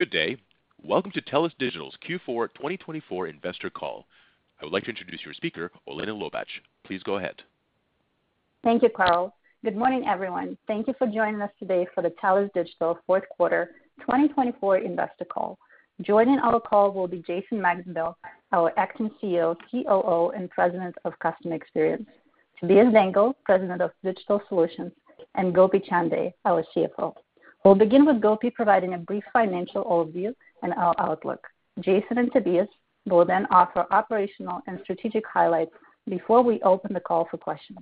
Good day. Welcome to TELUS Digital's Q4 2024 Investor Call. I would like to introduce your speaker, Olena Lobach. Please go ahead. Thank you, Carl. Good morning, everyone. Thank you for joining us today for the TELUS Digital Q4 2024 Investor Call. Joining our call will be Jason Macdonnell, our Acting CEO, COO, and President of Customer Experience, Tobias Dengel, President of Digital Solutions, and Gopi Chande, our CFO. We'll begin with Gopi providing a brief financial overview and our outlook. Jason and Tobias will then offer operational and strategic highlights before we open the call for questions.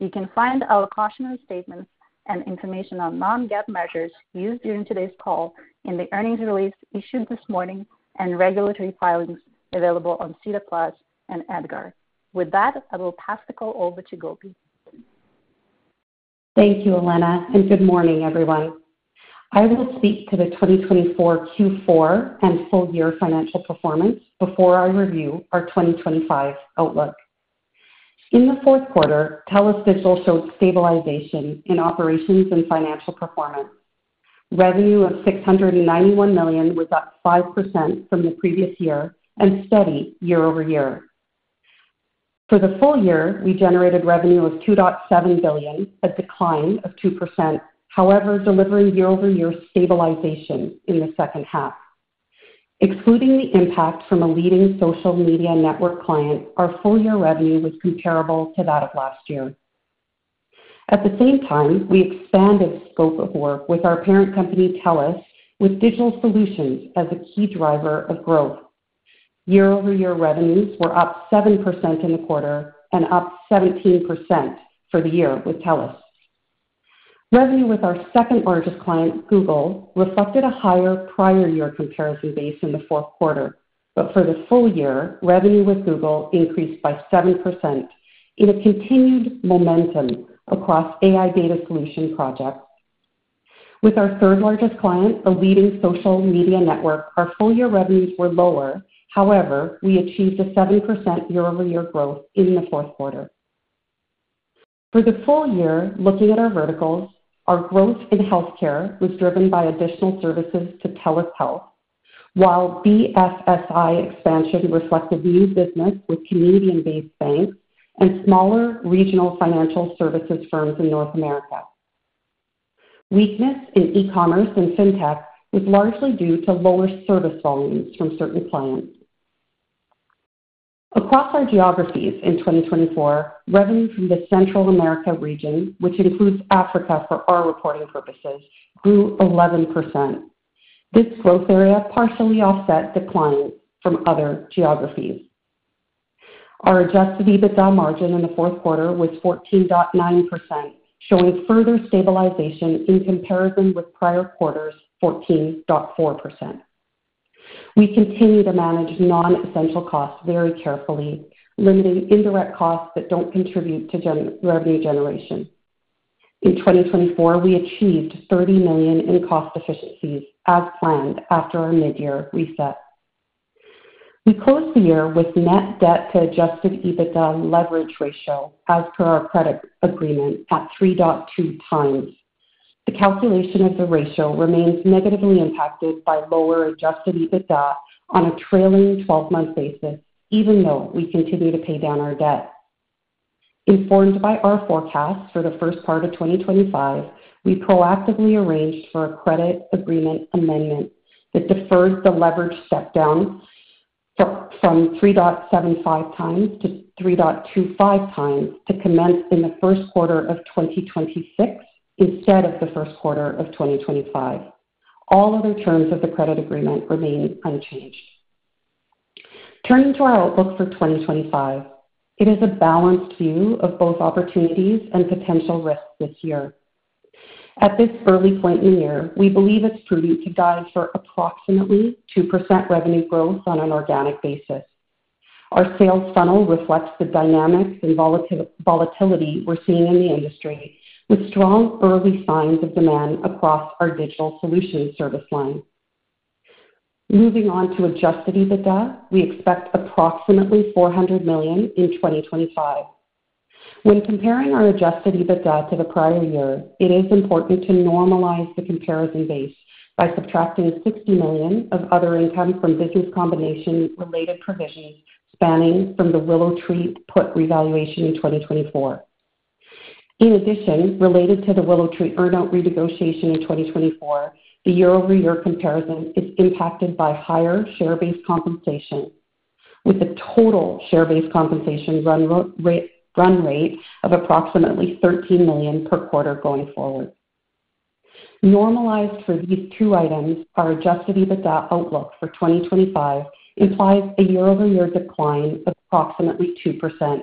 You can find our cautionary statements and information on non-GAAP measures used during today's call in the earnings release issued this morning and regulatory filings available on SEDAR+ and EDGAR. With that, I will pass the call over to Gopi. Thank you, Olena, and good morning, everyone. I will speak to the 2024 Q4 and full-year financial performance before I review our 2025 outlook. In the Q4, TELUS Digital showed stabilization in operations and financial performance. Revenue of $691 million was up 5% from the previous year and steady year-over-year. For the full year, we generated revenue of $2.7 billion, a decline of 2%, however delivering year-over-year stabilization in the second half. Excluding the impact from a leading social media network client, our full-year revenue was comparable to that of last year. At the same time, we expanded scope of work with our parent company TELUS, with digital solutions as a key driver of growth. Year-over-year revenues were up 7% in the quarter and up 17% for the year with TELUS. Revenue with our second-largest client, Google, reflected a higher prior-year comparison base in the Q4, but for the full year, revenue with Google increased by 7% in a continued momentum across AI data solution projects. With our third-largest client, a leading social media network, our full-year revenues were lower. However, we achieved a 7% year-over-year growth in the Q4. For the full year, looking at our verticals, our growth in healthcare was driven by additional services to TELUS Health, while BFSI expansion reflected new business with Canadian-based banks and smaller regional financial services firms in North America. Weakness in ecommerce and fintech was largely due to lower service volumes from certain clients. Across our geographies in 2024, revenue from the Central America region, which includes Africa for our reporting purposes, grew 11%. This growth area partially offset declines from other geographies. Our Adjusted EBITDA margin in the Q4 was 14.9%, showing further stabilization in comparison with prior quarter's 14.4%. We continue to manage non-essential costs very carefully, limiting indirect costs that don't contribute to revenue generation. In 2024, we achieved $30 million in cost efficiencies as planned after our mid-year reset. We closed the year with net debt-to-Adjusted EBITDA leverage ratio, as per our credit agreement, at 3.2x. The calculation of the ratio remains negatively impacted by lower Adjusted EBITDA on a trailing 12-month basis, even though we continue to pay down our debt. Informed by our forecasts for the first part of 2025, we proactively arranged for a credit agreement amendment that deferred the leverage step-down from 3.75x to 3.25x to commence in the Q1 of 2026 instead of the Q1 of 2025. All other terms of the credit agreement remain unchanged. Turning to our outlook for 2025, it is a balanced view of both opportunities and potential risks this year. At this early point in the year, we believe it's prudent to guide for approximately 2% revenue growth on an organic basis. Our sales funnel reflects the dynamics and volatility we're seeing in the industry, with strong early signs of demand across our digital solution service line. Moving on to Adjusted EBITDA, we expect approximately $400 million in 2025. When comparing our Adjusted EBITDA to the prior year, it is important to normalize the comparison base by subtracting $60 million of other income from business combination-related provisions spanning from the WillowTree put revaluation in 2024. In addition, related to the WillowTree earnout renegotiation in 2024, the year-over-year comparison is impacted by higher share-based compensation, with a total share-based compensation run rate of approximately $13 million per quarter going forward. Normalized for these two items, our Adjusted EBITDA outlook for 2025 implies a year-over-year decline of approximately 2%.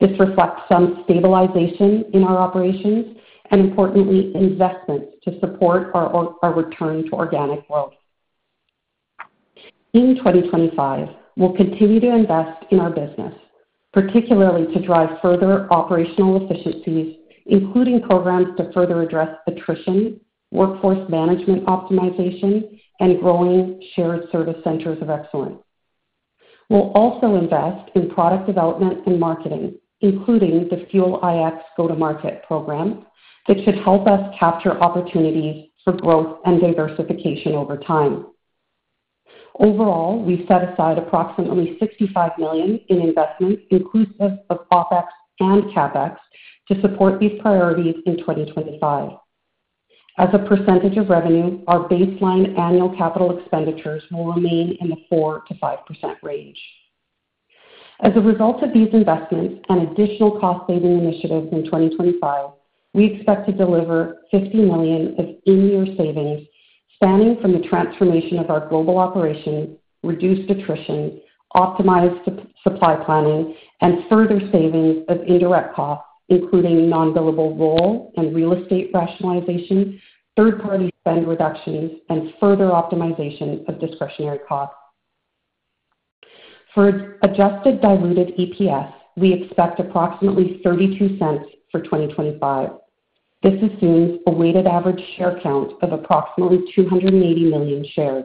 This reflects some stabilization in our operations and, importantly, investments to support our return to organic growth. In 2025, we'll continue to invest in our business, particularly to drive further operational efficiencies, including programs to further address attrition, workforce management optimization, and growing shared service centers of excellence. We'll also invest in product development and marketing, including the Fuel iX go-to-market program that should help us capture opportunities for growth and diversification over time. Overall, we've set aside approximately $65 million in investments, inclusive of OpEx and CapEx, to support these priorities in 2025. As a percentage of revenue, our baseline annual capital expenditures will remain in the 4% to 5% range. As a result of these investments and additional cost-saving initiatives in 2025, we expect to deliver $50 million of in-year savings spanning from the transformation of our global operations, reduced attrition, optimized supply planning, and further savings of indirect costs, including non-billable payroll and real estate rationalization, third-party spend reductions, and further optimization of discretionary costs. For Adjusted Diluted EPS, we expect approximately $0.32 for 2025. This assumes a weighted average share count of approximately 280 million shares.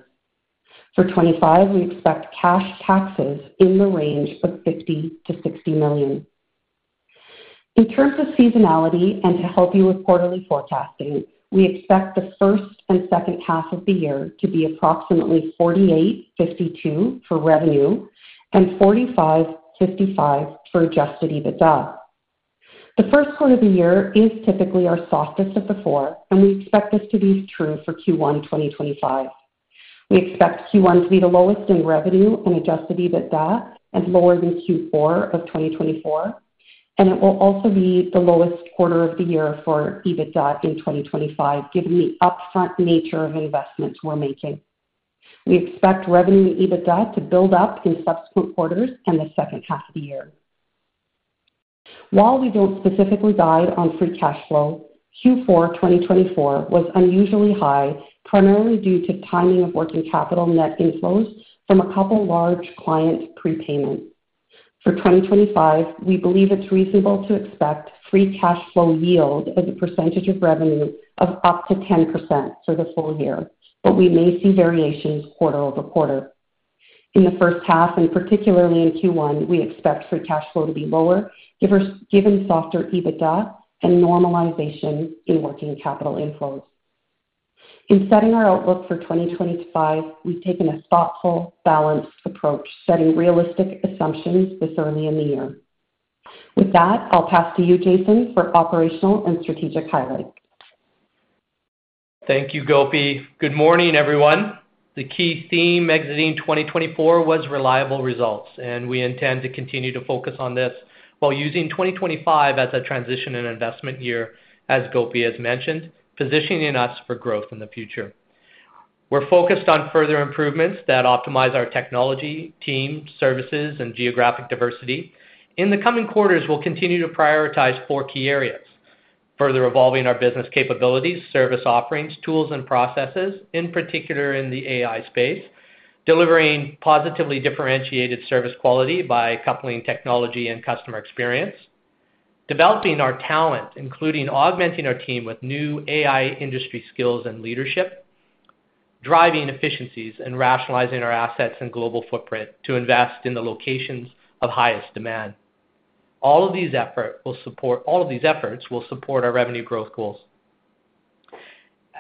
For 2025, we expect cash taxes in the range of $50 to 60 million. In terms of seasonality and to help you with quarterly forecasting, we expect the first and second half of the year to be approximately $48 to 52 million for revenue and $45 to 55 million for adjusted EBITDA. The Q1 of the year is typically our softest of the four, and we expect this to be true for Q1 2025. We expect Q1 to be the lowest in revenue and Adjusted EBITDA and lower than Q4 of 2024, and it will also be the lowest quarter of the year for EBITDA in 2025, given the upfront nature of investments we're making. We expect revenue and EBITDA to build up in subsequent quarters and the second half of the year. While we don't specifically guide on Free Cash Flow, Q4 2024 was unusually high, primarily due to timing of working capital net inflows from a couple of large client prepayments. For 2025, we believe it's reasonable to expect Free Cash Flow yield as a percentage of revenue of up to 10% for the full year, but we may see variations quarter-over-quarter. In the first half, and particularly in Q1, we expect free cash flow to be lower given softer EBITDA and normalization in working capital inflows. In setting our outlook for 2025, we've taken a thoughtful, balanced approach, setting realistic assumptions this early in the year. With that, I'll pass to you, Jason, for operational and strategic highlights. Thank you, Gopi. Good morning, everyone. The key theme exiting 2024 was reliable results, and we intend to continue to focus on this while using 2025 as a transition and investment year, as Gopi has mentioned, positioning us for growth in the future. We're focused on further improvements that optimize our technology, team, services, and geographic diversity. In the coming quarters, we'll continue to prioritize four key areas: further evolving our business capabilities, service offerings, tools, and processes, in particular in the AI space. Delivering positively differentiated service quality by coupling technology and customer experience. Developing our talent, including augmenting our team with new AI industry skills and leadership. Driving efficiencies and rationalizing our assets and global footprint to invest in the locations of highest demand. All of these efforts will support our revenue growth goals.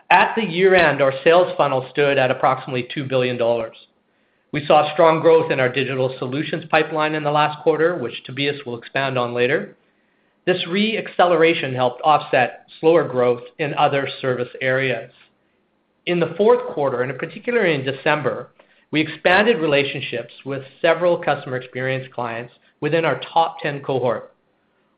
At the year-end, our sales funnel stood at approximately $2 billion. We saw strong growth in our digital solutions pipeline in the last quarter, which Tobias will expand on later. This re-acceleration helped offset slower growth in other service areas. In the Q4, and particularly in December, we expanded relationships with several customer experience clients within our top 10 cohort.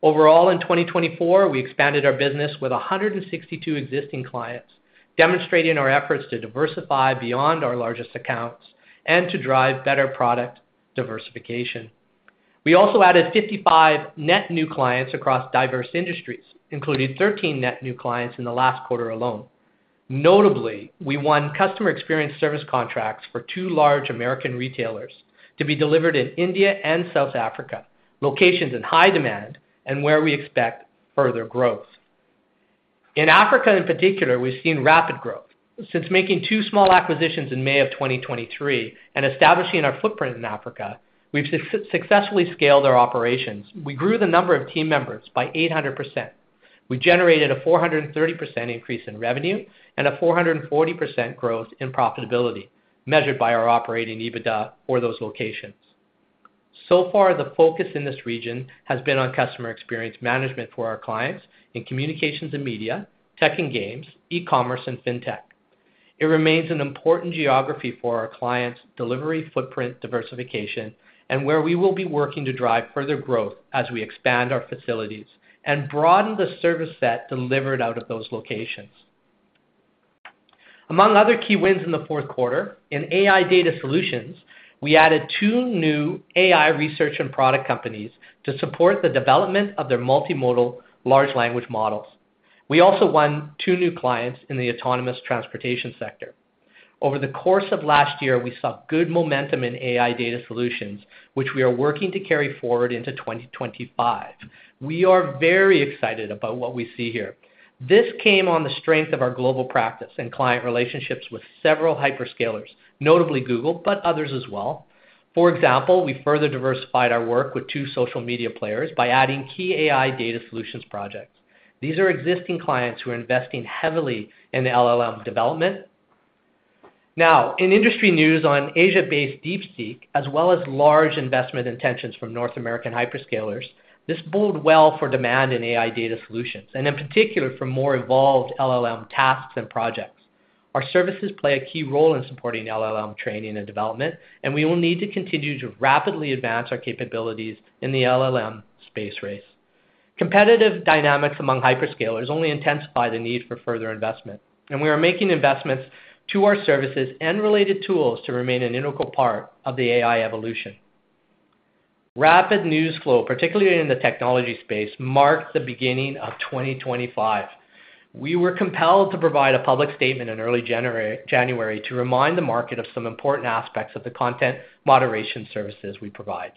Overall, in 2024, we expanded our business with 162 existing clients, demonstrating our efforts to diversify beyond our largest accounts and to drive better product diversification. We also added 55 net new clients across diverse industries, including 13 net new clients in the last quarter alone. Notably, we won customer experience service contracts for two large American retailers to be delivered in India and South Africa, locations in high demand and where we expect further growth. In Africa, in particular, we've seen rapid growth. Since making two small acquisitions in May of 2023 and establishing our footprint in Africa, we've successfully scaled our operations. We grew the number of team members by 800%. We generated a 430% increase in revenue and a 440% growth in profitability, measured by our operating EBITDA for those locations. So far, the focus in this region has been on customer experience management for our clients in communications and media, tech and games, ecommerce, and fintech. It remains an important geography for our clients' delivery footprint diversification and where we will be working to drive further growth as we expand our facilities and broaden the service set delivered out of those locations. Among other key wins in the Q4, in AI Data Solutions, we added two new AI research and product companies to support the development of their multimodal large language models. We also won two new clients in the autonomous transportation sector. Over the course of last year, we saw good momentum in AI Data Solutions, which we are working to carry forward into 2025. We are very excited about what we see here. This came on the strength of our global practice and client relationships with several hyperscalers, notably Google, but others as well. For example, we further diversified our work with two social media players by adding key AI Data Solutions projects. These are existing clients who are investing heavily in the LLM development. Now, in industry news on Asia-based DeepSeek, as well as large investment intentions from North American hyperscalers, this bodes well for demand in AI Data Solutions, and in particular for more involved LLM tasks and projects. Our services play a key role in supporting LLM training and development, and we will need to continue to rapidly advance our capabilities in the LLM space race. Competitive dynamics among hyperscalers only intensify the need for further investment, and we are making investments to our services and related tools to remain an integral part of the AI evolution. Rapid news flow, particularly in the technology space, marked the beginning of 2025. We were compelled to provide a public statement in early January to remind the market of some important aspects of the content moderation services we provide.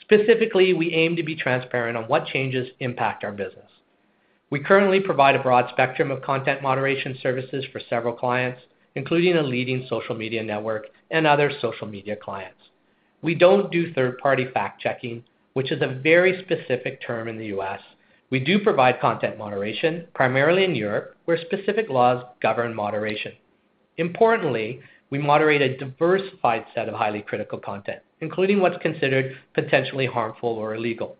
Specifically, we aim to be transparent on what changes impact our business. We currently provide a broad spectrum of content moderation services for several clients, including a leading social media network and other social media clients. We don't do third-party fact-checking, which is a very specific term in the US. We do provide content moderation, primarily in Europe, where specific laws govern moderation. Importantly, we moderate a diversified set of highly critical content, including what's considered potentially harmful or illegal.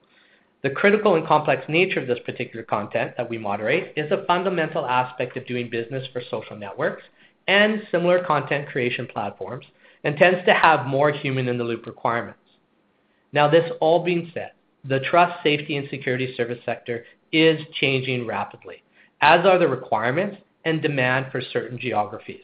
The critical and complex nature of this particular content that we moderate is a fundamental aspect of doing business for social networks and similar content creation platforms and tends to have more Human-in-the-Loop requirements. Now, this all being said, the trust, safety, and security service sector is changing rapidly, as are the requirements and demand for certain geographies.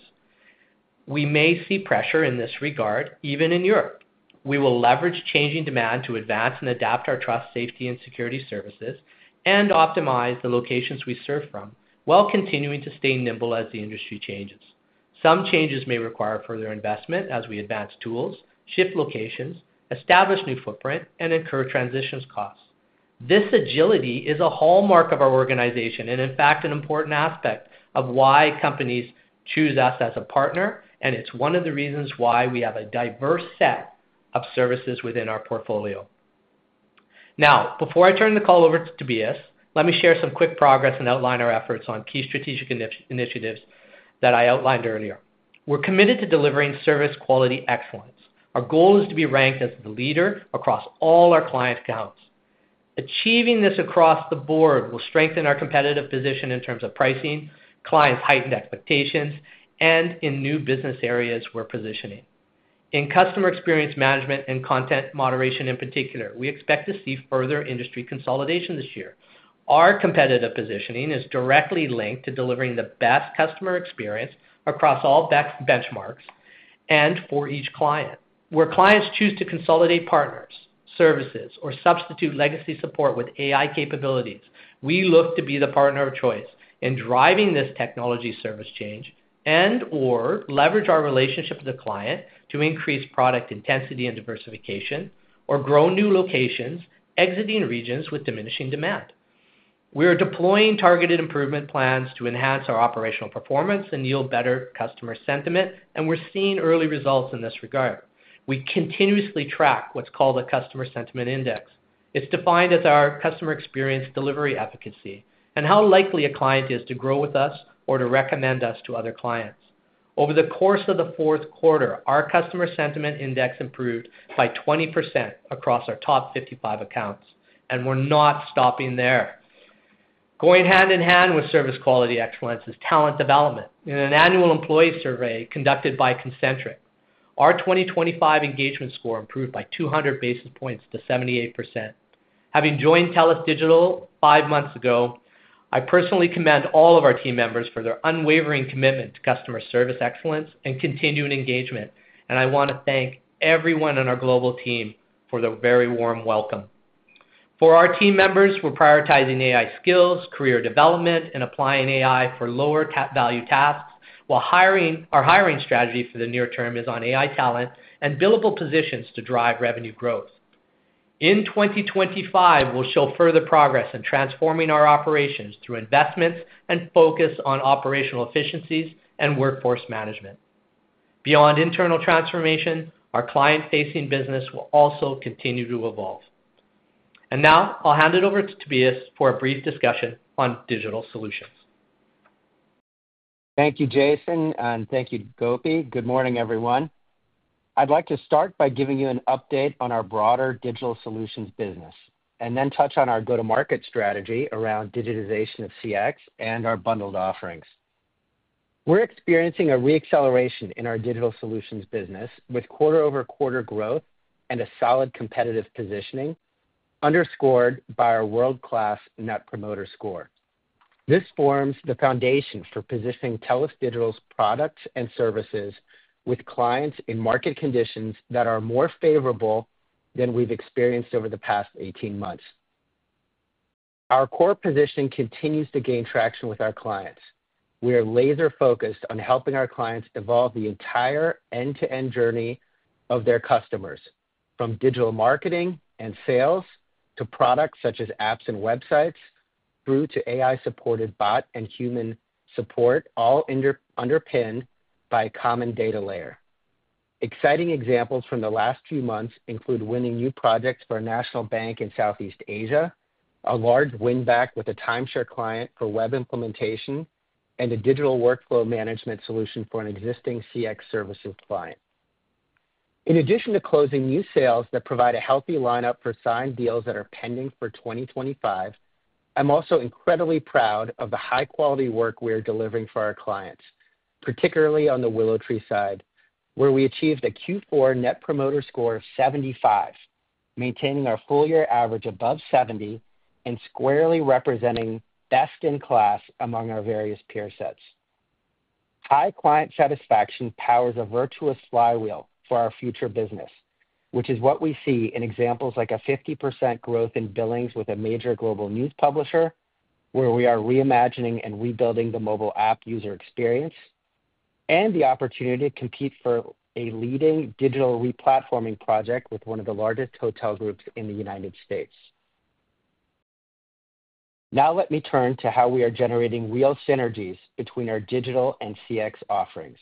We may see pressure in this regard, even in Europe. We will leverage changing demand to advance and adapt our trust, safety, and security services and optimize the locations we serve from while continuing to stay nimble as the industry changes. Some changes may require further investment as we advance tools, shift locations, establish new footprint, and incur transition costs. This agility is a hallmark of our organization and, in fact, an important aspect of why companies choose us as a partner, and it's one of the reasons why we have a diverse set of services within our portfolio. Now, before I turn the call over to Tobias, let me share some quick progress and outline our efforts on key strategic initiatives that I outlined earlier. We're committed to delivering service quality excellence. Our goal is to be ranked as the leader across all our client accounts. Achieving this across the board will strengthen our competitive position in terms of pricing, clients' heightened expectations, and in new business areas we're positioning. In customer experience management and content moderation in particular, we expect to see further industry consolidation this year. Our competitive positioning is directly linked to delivering the best customer experience across all benchmarks and for each client. Where clients choose to consolidate partners, services, or substitute legacy support with AI capabilities, we look to be the partner of choice in driving this technology service change and/or leverage our relationship with the client to increase product intensity and diversification or grow new locations exiting regions with diminishing demand. We are deploying targeted improvement plans to enhance our operational performance and yield better customer sentiment, and we're seeing early results in this regard. We continuously track what's called the Customer Sentiment Index. It's defined as our Customer Experience delivery efficacy and how likely a client is to grow with us or to recommend us to other clients. Over the course of the Q4, our Customer Sentiment Index improved by 20% across our top 55 accounts, and we're not stopping there. Going hand in hand with service quality excellence is talent development. In an annual employee survey conducted by Kincentric, our 2025 engagement score improved by 200 basis points to 78%. Having joined TELUS Digital five months ago. I personally commend all of our team members for their unwavering commitment to customer service excellence and continued engagement, and I want to thank everyone on our global team for their very warm welcome. For our team members, we're prioritizing AI skills, career development, and applying AI for lower-value tasks, while our hiring strategy for the near term is on AI talent and billable positions to drive revenue growth. In 2025, we'll show further progress in transforming our operations through investments and focus on operational efficiencies and workforce management. Beyond internal transformation, our client-facing business will also continue to evolve. And now, I'll hand it over to Tobias for a brief discussion on digital solutions. Thank you, Jason, and thank you, Gopi. Good morning, everyone. I'd like to start by giving you an update on our broader digital solutions business and then touch on our go-to-market strategy around digitization of CX and our bundled offerings. We're experiencing a re-acceleration in our digital solutions business with quarter-over-quarter growth and a solid competitive positioning underscored by our world-class Net Promoter Score. This forms the foundation for positioning TELUS Digital's products and services with clients in market conditions that are more favorable than we've experienced over the past 18 months. Our core position continues to gain traction with our clients. We are laser-focused on helping our clients evolve the entire end-to-end journey of their customers, from digital marketing and sales to products such as apps and websites through to AI-supported bot and human support, all underpinned by a common data layer. Exciting examples from the last few months include winning new projects for a national bank in Southeast Asia, a large win-back with a timeshare client for web implementation, and a digital workflow management solution for an existing CX services client. In addition to closing new sales that provide a healthy lineup for signed deals that are pending for 2025, I'm also incredibly proud of the high-quality work we are delivering for our clients, particularly on the WillowTree side, where we achieved a Q4 Net Promoter Score of 75, maintaining our full-year average above 70 and squarely representing best-in-class among our various peer sets. High client satisfaction powers a virtuous flywheel for our future business, which is what we see in examples like a 50% growth in billings with a major global news publisher, where we are reimagining and rebuilding the mobile app user experience. And the opportunity to compete for a leading digital replatforming project with one of the largest hotel groups in the United States. Now, let me turn to how we are generating real synergies between our digital and CX offerings.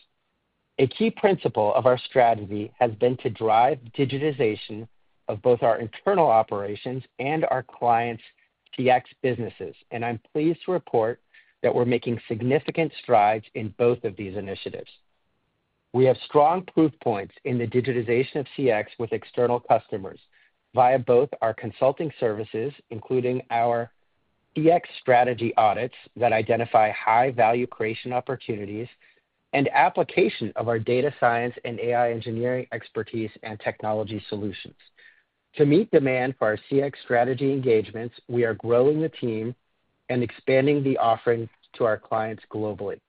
A key principle of our strategy has been to drive digitization of both our internal operations and our clients' CX businesses, and I'm pleased to report that we're making significant strides in both of these initiatives. We have strong proof points in the digitization of CX with external customers via both our consulting services, including our CX strategy audits that identify high-value creation opportunities, and application of our data science and AI engineering expertise and technology solutions. To meet demand for our CX strategy engagements, we are growing the team and expanding the offering to our clients globally.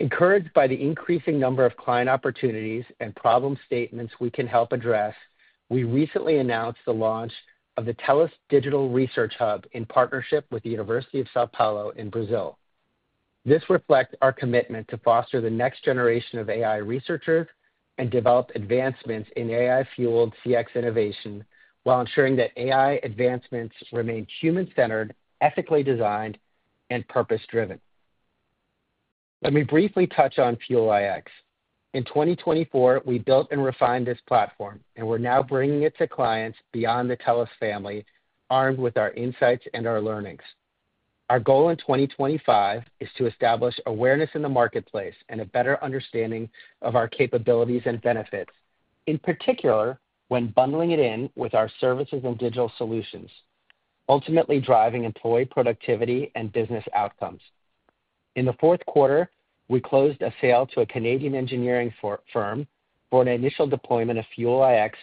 Encouraged by the increasing number of client opportunities and problem statements we can help address, we recently announced the launch of the TELUS Digital Research Hub in partnership with the University of São Paulo in Brazil. This reflects our commitment to foster the next generation of AI researchers and develop advancements in AI-Fueled CX innovation while ensuring that AI advancements remain human-centered, ethically designed, and purpose-driven. Let me briefly touch on Fuel iX. In 2024, we built and refined this platform, and we're now bringing it to clients beyond the TELUS family, armed with our insights and our learnings. Our goal in 2025 is to establish awareness in the marketplace and a better understanding of our capabilities and benefits, in particular when bundling it in with our services and digital solutions, ultimately driving employee productivity and business outcomes. In the Q4, we closed a sale to a Canadian engineering firm for an initial deployment of Fuel iX,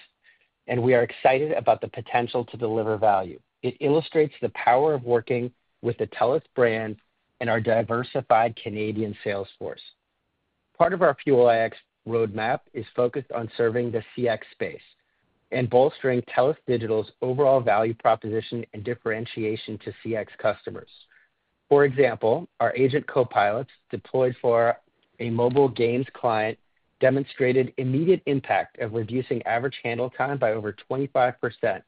and we are excited about the potential to deliver value. It illustrates the power of working with the TELUS brand and our diversified Canadian sales force. Part of our Fuel iX roadmap is focused on serving the CX space and bolstering TELUS Digital's overall value proposition and differentiation to CX customers. For example, our agent copilots deployed for a mobile games client demonstrated immediate impact of reducing average handle time by over 25%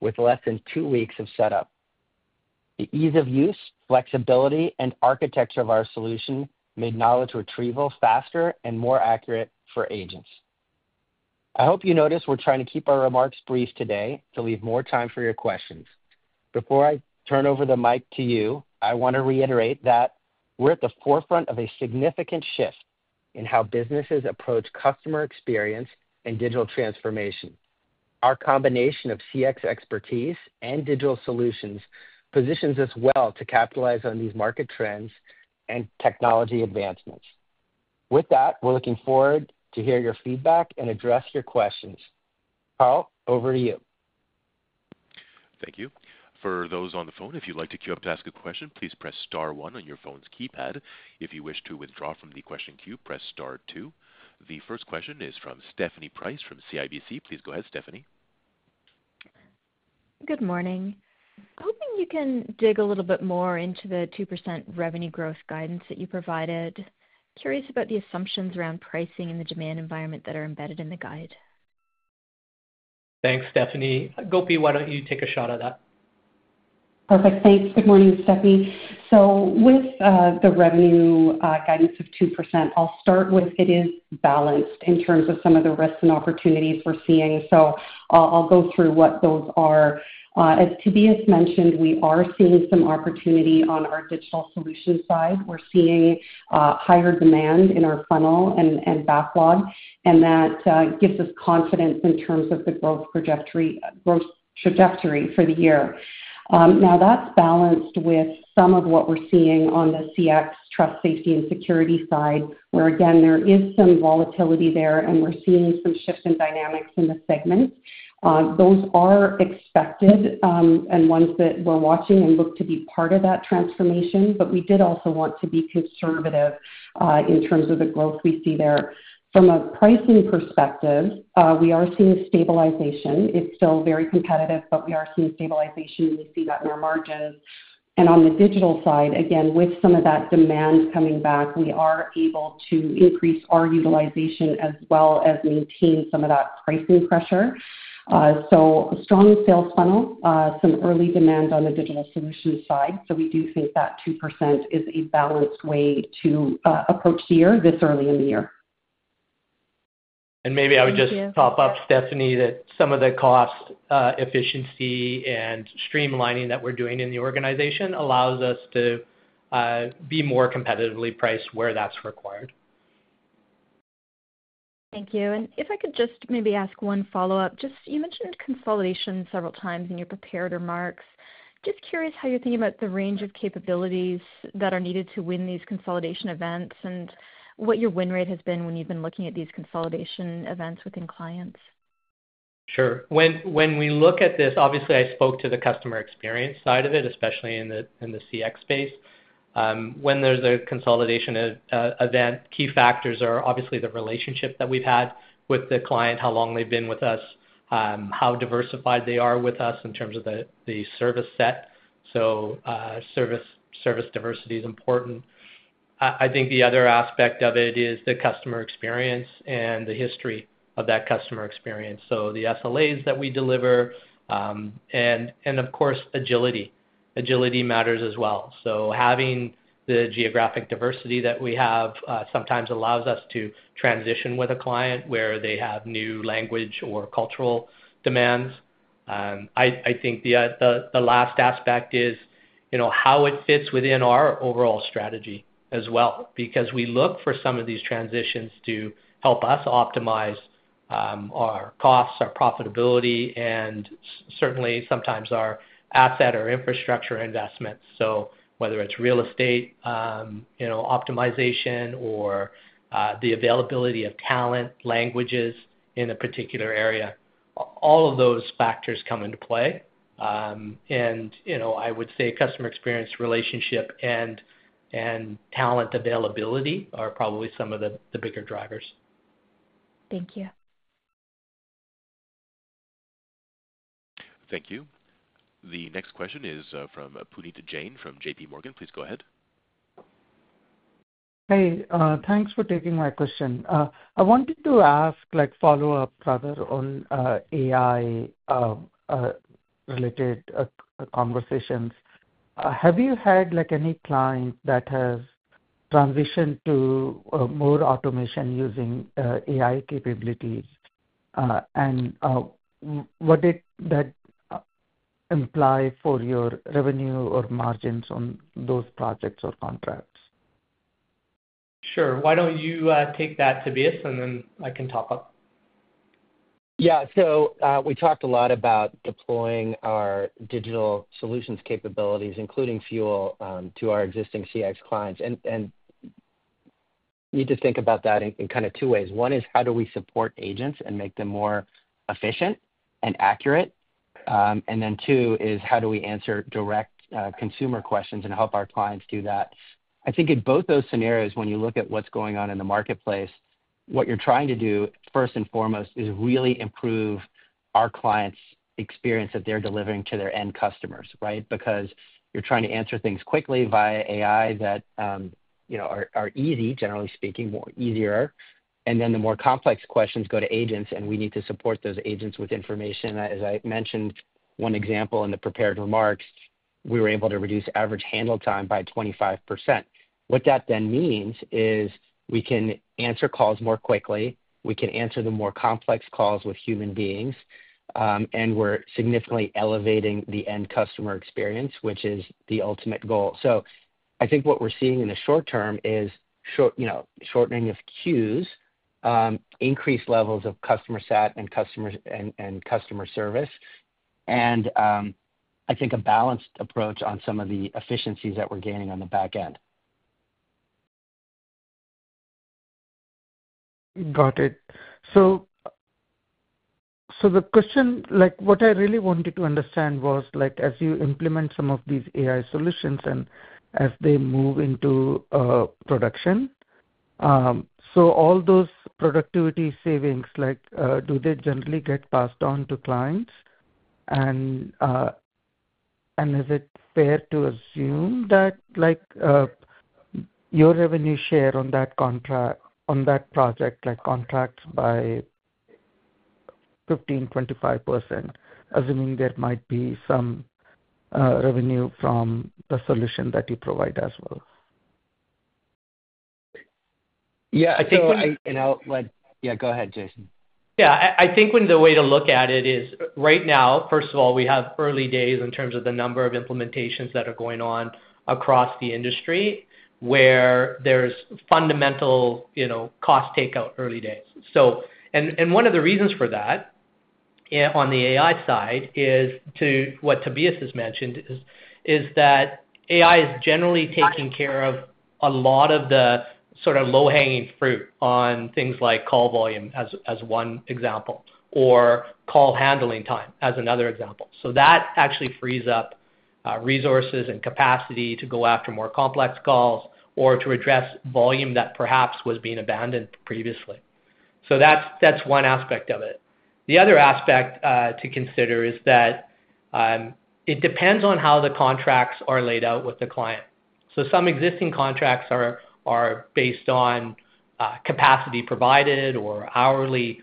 with less than two weeks of setup. The ease of use, flexibility, and architecture of our solution made knowledge retrieval faster and more accurate for agents. I hope you noticed we're trying to keep our remarks brief today to leave more time for your questions. Before I turn over the mic to you, I want to reiterate that we're at the forefront of a significant shift in how businesses approach customer experience and digital transformation. Our combination of CX expertise and digital solutions positions us well to capitalize on these market trends and technology advancements. With that, we're looking forward to hearing your feedback and addressing your questions. Carl, over to you. Thank you. For those on the phone, if you'd like to queue up to ask a question, please press star one on your phone's keypad. If you wish to withdraw from the question queue, press star two. The first question is from Stephanie Price from CIBC. Please go ahead, Stephanie. Good morning. Hoping you can dig a little bit more into the 2% revenue growth guidance that you provided. Curious about the assumptions around pricing and the demand environment that are embedded in the guide. Thanks, Stephanie. Gopi, why don't you take a shot at that? Perfect. Thanks. Good morning, Stephanie. So with the revenue guidance of 2%, I'll start with it is balanced in terms of some of the risks and opportunities we're seeing. So I'll go through what those are. As Tobias mentioned, we are seeing some opportunity on our digital solution side. We're seeing higher demand in our funnel and backlog, and that gives us confidence in terms of the growth trajectory for the year. Now, that's balanced with some of what we're seeing on the CX trust, safety, and security side, where, again, there is some volatility there, and we're seeing some shift in dynamics in the segments. Those are expected and ones that we're watching and look to be part of that transformation, but we did also want to be conservative in terms of the growth we see there. From a pricing perspective, we are seeing stabilization. It's still very competitive, but we are seeing stabilization, and we see that in our margins, and on the digital side, again, with some of that demand coming back, we are able to increase our utilization as well as maintain some of that pricing pressure, so a strong sales funnel, some early demand on the digital solution side, so we do think that 2% is a balanced way to approach the year this early in the year. Maybe I would just top up, Stephanie, that some of the cost efficiency and streamlining that we're doing in the organization allows us to be more competitively priced where that's required. Thank you. And if I could just maybe ask one follow-up. You mentioned consolidation several times in your prepared remarks. Just curious how you're thinking about the range of capabilities that are needed to win these consolidation events and what your win rate has been when you've been looking at these consolidation events within clients? Sure. When we look at this, obviously, I spoke to the customer experience side of it, especially in the CX space. When there's a consolidation event, key factors are obviously the relationship that we've had with the client, how long they've been with us, how diversified they are with us in terms of the service set. So service diversity is important. I think the other aspect of it is the customer experience and the history of that customer experience. So the SLAs that we deliver and, of course, agility. Agility matters as well. So having the geographic diversity that we have sometimes allows us to transition with a client where they have new language or cultural demands. I think the last aspect is how it fits within our overall strategy as well, because we look for some of these transitions to help us optimize our costs, our profitability, and certainly sometimes our asset or infrastructure investments. So whether it's real estate optimization or the availability of talent languages in a particular area, all of those factors come into play. And I would say customer experience relationship and talent availability are probably some of the bigger drivers. Thank you. Thank you. The next question is from Puneet Jain from JPMorgan. Please go ahead. Hey, thanks for taking my question. I wanted to ask a follow-up, rather, on AI-related conversations. Have you had any client that has transitioned to more automation using AI capabilities? And what did that imply for your revenue or margins on those projects or contracts? Sure. Why don't you take that, Tobias, and then I can top up. Yeah. We talked a lot about deploying our digital solutions capabilities, including Fuel, to our existing CX clients. You need to think about that in kind of two ways. One is how do we support agents and make them more efficient and accurate? Two is how do we answer direct consumer questions and help our clients do that? I think in both those scenarios, when you look at what's going on in the marketplace, what you're trying to do, first and foremost, is really improve our clients' experience that they're delivering to their end customers, right? Because you're trying to answer things quickly via AI that are easy, generally speaking, more easier. Then the more complex questions go to agents, and we need to support those agents with information. As I mentioned, one example in the prepared remarks, we were able to reduce average handle time by 25%. What that then means is we can answer calls more quickly. We can answer the more complex calls with human beings, and we're significantly elevating the end customer experience, which is the ultimate goal. So I think what we're seeing in the short term is shortening of queues, increased levels of customer sat and customer service, and I think a balanced approach on some of the efficiencies that we're gaining on the back end. Got it, so the question, what I really wanted to understand was, as you implement some of these AI solutions and as they move into production, so all those productivity savings, do they generally get passed on to clients, and is it fair to assume that your revenue share on that project contracts by 15% to 25%, assuming there might be some revenue from the solution that you provide as well? Yeah. I think. And I'll let, yeah, go ahead, Jason. Yeah. I think the way to look at it is right now, first of all, we have early days in terms of the number of implementations that are going on across the industry where there's fundamental cost takeout early days, and one of the reasons for that on the AI side is what Tobias has mentioned, is that AI is generally taking care of a lot of the sort of low-hanging fruit on things like call volume, as one example, or call handling time, as another example, so that actually frees up resources and capacity to go after more complex calls or to address volume that perhaps was being abandoned previously, so that's one aspect of it. The other aspect to consider is that it depends on how the contracts are laid out with the client, so some existing contracts are based on capacity provided or hourly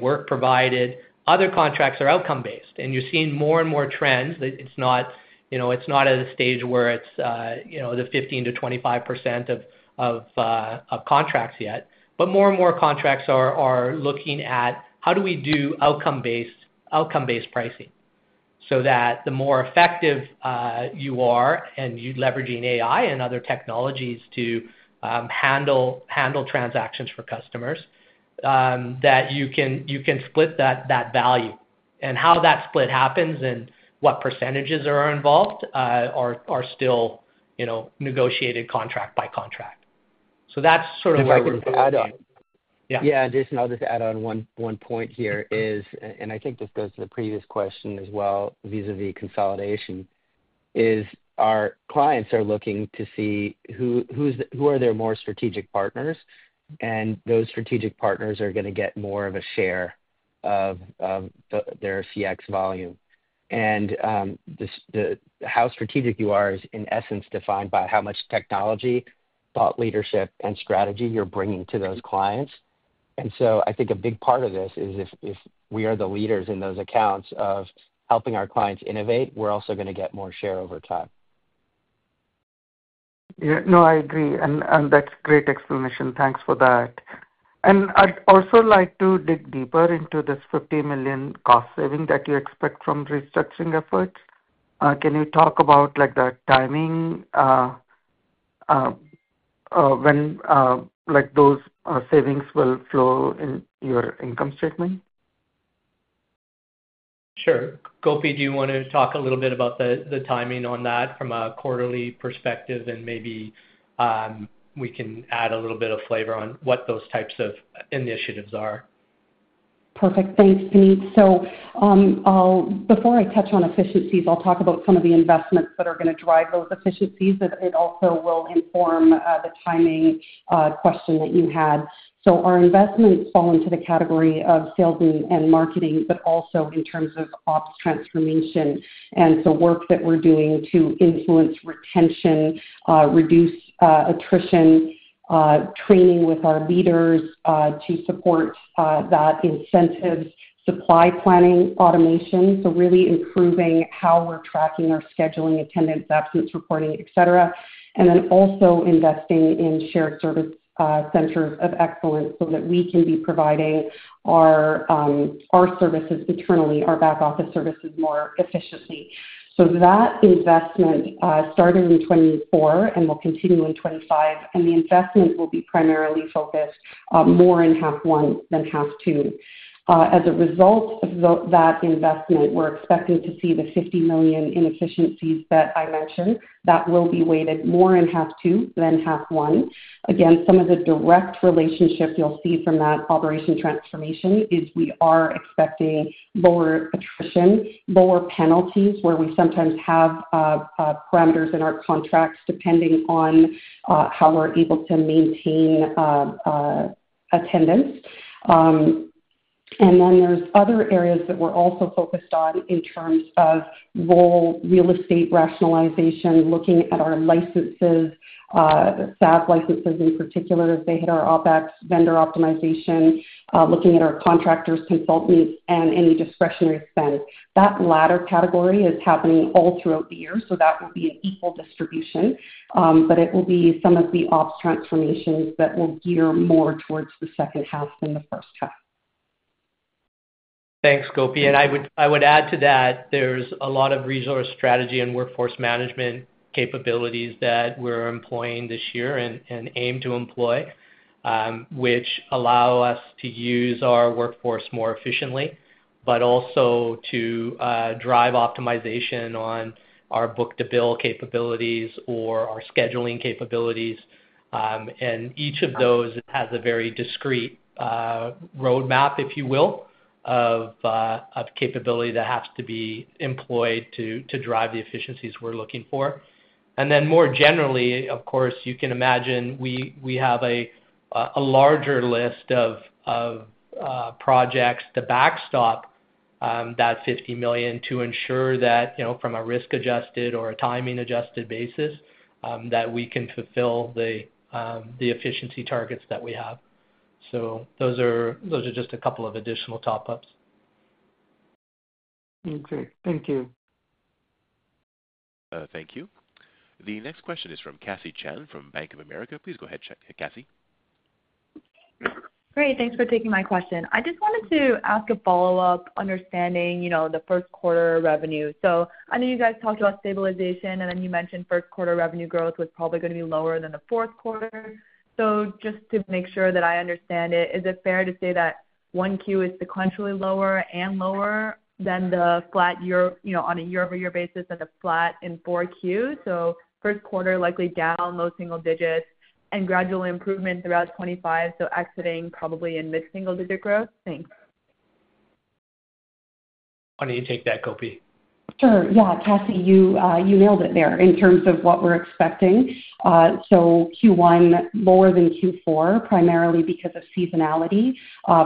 work provided. Other contracts are outcome-based, and you're seeing more and more trends that it's not at a stage where it's the 15% to 25% of contracts yet, but more and more contracts are looking at how do we do outcome-based pricing so that the more effective you are and you're leveraging AI and other technologies to handle transactions for customers, that you can split that value, and how that split happens and what percentages are involved are still negotiated contract by contract, so that's sort of what we're looking for. If I can add on. Yeah. Yeah. And Jason, I'll just add on one point here, and I think this goes to the previous question as well vis-à-vis consolidation, is our clients are looking to see who are their more strategic partners, and those strategic partners are going to get more of a share of their CX volume. And how strategic you are is, in essence, defined by how much technology, thought leadership, and strategy you're bringing to those clients. And so I think a big part of this is if we are the leaders in those accounts of helping our clients innovate, we're also going to get more share over time. Yeah. No, I agree. And that's a great explanation. Thanks for that. And I'd also like to dig deeper into this $50 million cost saving that you expect from restructuring efforts. Can you talk about the timing when those savings will flow in your income statement? Sure. Gopi, do you want to talk a little bit about the timing on that from a quarterly perspective? And maybe we can add a little bit of flavor on what those types of initiatives are. Perfect. Thanks, Puneet. So before I touch on efficiencies, I'll talk about some of the investments that are going to drive those efficiencies. It also will inform the timing question that you had. So our investments fall into the category of sales and marketing, but also in terms of ops transformation and the work that we're doing to influence retention, reduce attrition, training with our leaders to support that incentives, supply planning automation. So really improving how we're tracking our scheduling, attendance, absence reporting, etc., and then also investing in shared service centers of excellence so that we can be providing our services internally, our back-office services more efficiently. So that investment started in 2024 and will continue in 2025, and the investments will be primarily focused more in half one than half two. As a result of that investment, we're expecting to see the $50 million in efficiencies that I mentioned. That will be weighted more in half two than half one. Again, some of the direct relationships you'll see from that operation transformation is we are expecting lower attrition, lower penalties where we sometimes have parameters in our contracts depending on how we're able to maintain attendance. Then there's other areas that we're also focused on in terms of real estate rationalization, looking at our licenses, SaaS licenses in particular as they hit our OpEx, vendor optimization, looking at our contractors, consultants, and any discretionary spend. That latter category is happening all throughout the year, so that will be an equal distribution, but it will be some of the ops transformations that will gear more towards the second half than the first half. Thanks, Gopi. And I would add to that there's a lot of resource strategy and workforce management capabilities that we're employing this year and aim to employ, which allow us to use our workforce more efficiently, but also to drive optimization on our book-to-bill capabilities or our scheduling capabilities. And each of those has a very discrete roadmap, if you will, of capability that has to be employed to drive the efficiencies we're looking for. And then more generally, of course, you can imagine we have a larger list of projects to backstop that $50 million to ensure that from a risk-adjusted or a timing-adjusted basis that we can fulfill the efficiency targets that we have. So those are just a couple of additional top-ups. Okay. Thank you. Thank you. The next question is from Cassie Chan from Bank of America. Please go ahead, Cassie. Great. Thanks for taking my question. I just wanted to ask a follow-up. Understanding the Q1 revenue. So I know you guys talked about stabilization, and then you mentioned Q1 revenue growth was probably going to be lower than the Q4. So just to make sure that I understand it, is it fair to say that Q1 is sequentially lower and lower than the flat year on a year-over-year basis and the flat in Q4? So Q1 likely down low single digits and gradual improvement throughout 2025, so exiting probably in mid-single digit growth. Thanks. Why don't you take that, Gopi? Sure. Yeah. Cassie, you nailed it there in terms of what we're expecting. So Q1 lower than Q4, primarily because of seasonality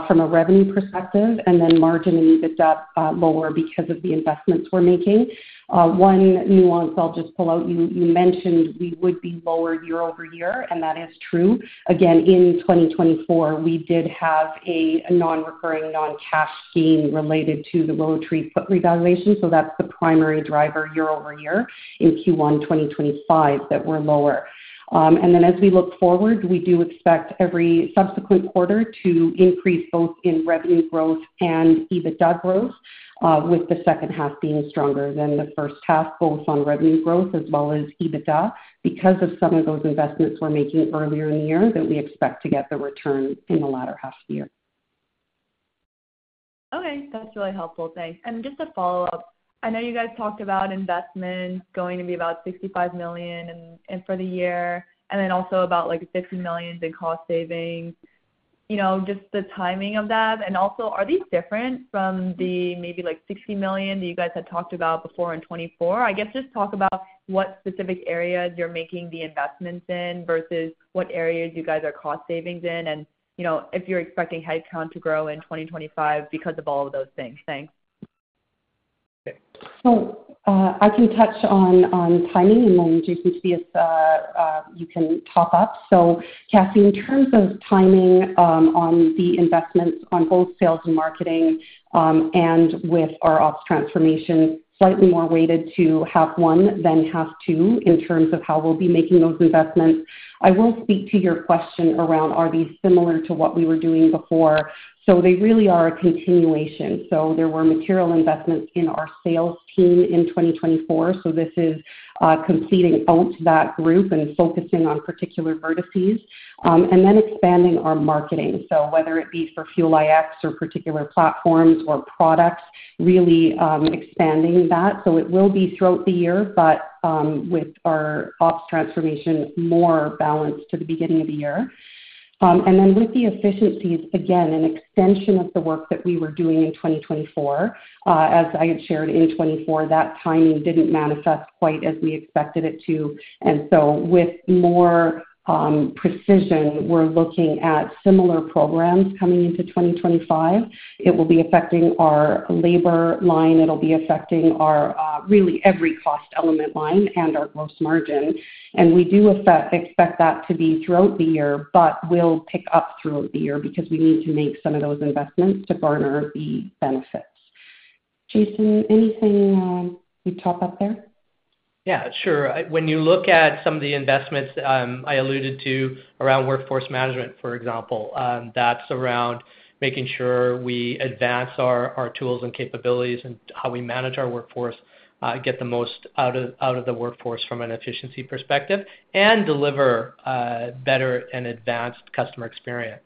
from a revenue perspective, and then margin and EBITDA lower because of the investments we're making. One nuance I'll just pull out. You mentioned we would be lower year-over-year, and that is true. Again, in 2024, we did have a non-recurring, non-cash gain related to the WillowTree put revaluation. So that's the primary driver year-over-year in Q1 2025 that we're lower. And then as we look forward, we do expect every subsequent quarter to increase both in revenue growth and EBITDA growth, with the second half being stronger than the first half, both on revenue growth as well as EBITDA because of some of those investments we're making earlier in the year that we expect to get the return in the latter half of the year. Okay. That's really helpful. Thanks. And just a follow-up. I know you guys talked about investments going to be about $65 million for the year and then also about $50 million in cost savings. Just the timing of that. And also, are these different from the maybe $60 million that you guys had talked about before in 2024? I guess just talk about what specific areas you're making the investments in versus what areas you guys are cost savings in and if you're expecting headcount to grow in 2025 because of all of those things. Thanks. So I can touch on timing, and then Jason, Tobias, you can top up. So Cassie, in terms of timing on the investments on both sales and marketing and with our ops transformation, slightly more weighted to half one than half two in terms of how we'll be making those investments. I will speak to your question around, are these similar to what we were doing before? So they really are a continuation. So there were material investments in our sales team in 2024. So this is completing out that group and focusing on particular verticals and then expanding our marketing. So whether it be for Fuel iX or particular platforms or products, really expanding that. So it will be throughout the year, but with our ops transformation more balanced to the beginning of the year. And then with the efficiencies, again, an extension of the work that we were doing in 2024. As I had shared in 2024, that timing didn't manifest quite as we expected it to. And so with more precision, we're looking at similar programs coming into 2025. It will be affecting our labor line. It'll be affecting our really every cost element line and our gross margin. And we do expect that to be throughout the year, but we'll pick up throughout the year because we need to make some of those investments to garner the benefits. Jason, anything you'd top up there? Yeah. Sure. When you look at some of the investments I alluded to around workforce management, for example, that's around making sure we advance our tools and capabilities and how we manage our workforce, get the most out of the workforce from an efficiency perspective, and deliver better and advanced customer experience.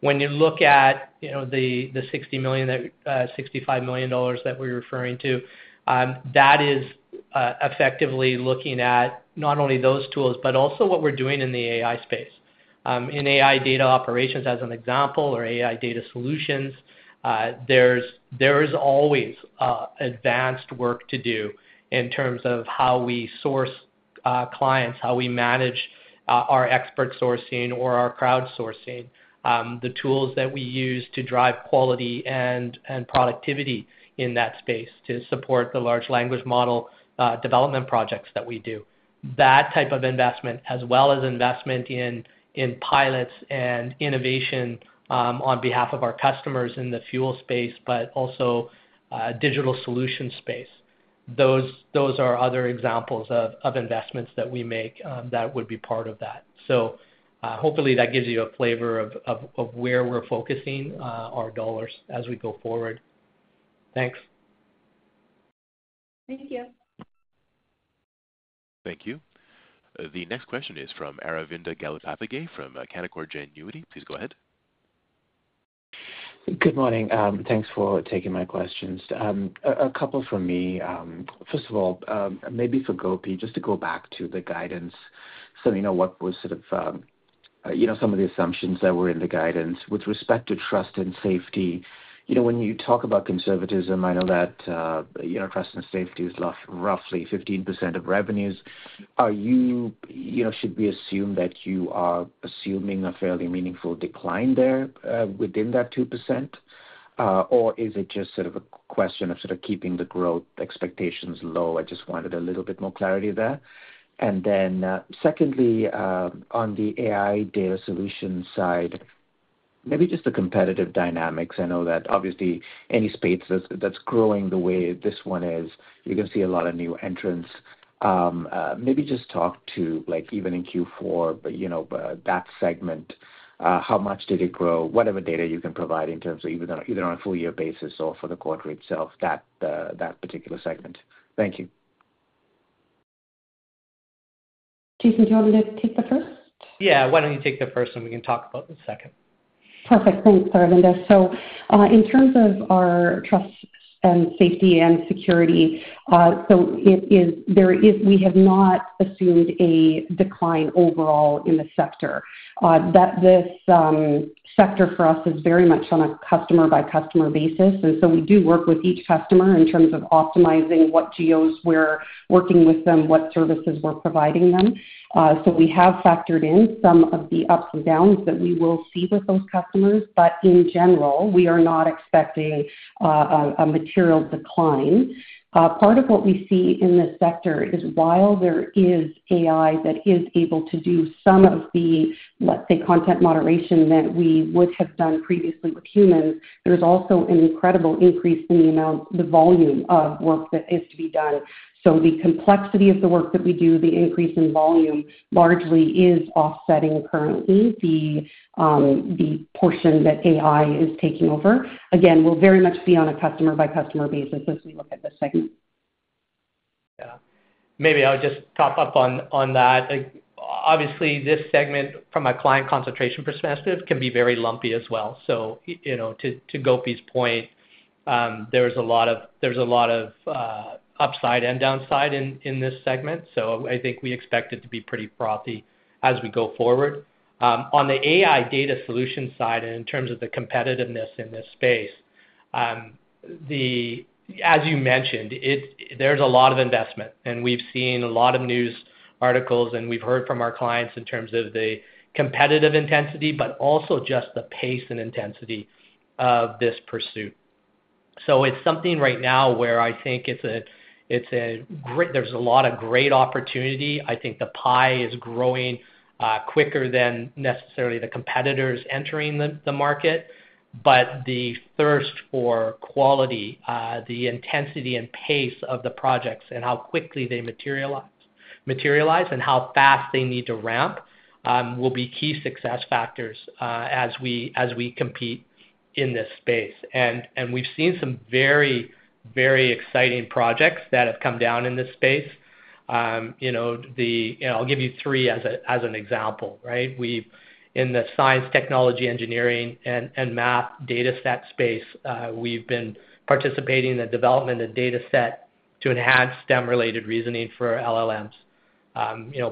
When you look at the $60 to 65 million that we're referring to, that is effectively looking at not only those tools, but also what we're doing in the AI space. In AI data operations, as an example, or AI Data Solutions, there is always advanced work to do in terms of how we source clients, how we manage our expert sourcing or our crowd sourcing, the tools that we use to drive quality and productivity in that space to support the large language model development projects that we do. That type of investment, as well as investment in pilots and innovation on behalf of our customers in the Fuel space but also digital solutions space. Those are other examples of investments that we make that would be part of that, so hopefully that gives you a flavor of where we're focusing our dollars as we go forward. Thanks. Thank you. Thank you. The next question is from Aravinda Galappatthige from Canaccord Genuity. Please go ahead. Good morning. Thanks for taking my questions. A couple from me. First of all, maybe for Gopi, just to go back to the guidance, so you know what was sort of some of the assumptions that were in the guidance with respect to trust and safety. When you talk about conservatism, I know that trust and safety is roughly 15% of revenues. Should we assume that you are assuming a fairly meaningful decline there within that 2%, or is it just sort of a question of sort of keeping the growth expectations low? I just wanted a little bit more clarity there. And then secondly, on the AI data solution side, maybe just the competitive dynamics. I know that obviously any space that's growing the way this one is, you're going to see a lot of new entrants. Maybe just talk to even in Q4, but that segment, how much did it grow, whatever data you can provide in terms of either on a full-year basis or for the quarter itself, that particular segment? Thank you. Jason, do you want me to take the first? Yeah. Why don't you take the first, and we can talk about the second. Perfect. Thanks, Aravinda. In terms of our trust and safety and security, we have not assumed a decline overall in the sector. This sector for us is very much on a customer-by-customer basis, and so we do work with each customer in terms of optimizing what GEOs we're working with them, what services we're providing them. We have factored in some of the ups and downs that we will see with those customers, but in general, we are not expecting a material decline. Part of what we see in this sector is while there is AI that is able to do some of the, let's say, content moderation that we would have done previously with humans, there's also an incredible increase in the volume of work that is to be done. The complexity of the work that we do, the increase in volume largely is offsetting currently the portion that AI is taking over. Again, we'll very much be on a customer-by-customer basis as we look at this segment. Yeah. Maybe I'll just top up on that. Obviously, this segment from a client concentration perspective can be very lumpy as well, so to Gopi's point, there's a lot of upside and downside in this segment, so I think we expect it to be pretty frothy as we go forward. On the AI and data solutions side and in terms of the competitiveness in this space, as you mentioned, there's a lot of investment, and we've seen a lot of news articles, and we've heard from our clients in terms of the competitive intensity, but also just the pace and intensity of this pursuit, so it's something right now where I think there's a lot of great opportunity. I think the pie is growing quicker than necessarily the competitors entering the market, but the thirst for quality, the intensity and pace of the projects and how quickly they materialize and how fast they need to ramp will be key success factors as we compete in this space, and we've seen some very, very exciting projects that have come down in this space. I'll give you three as an example, right? In the science, technology, engineering, and math dataset space, we've been participating in the development of dataset to enhance STEM-related reasoning for LLMs,